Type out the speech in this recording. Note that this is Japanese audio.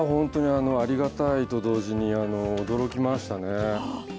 ありがたいと同時に驚きましたね。